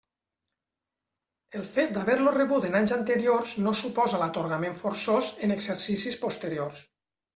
El fet d'haver-lo rebut en anys anteriors no suposa l'atorgament forçós en exercicis posteriors.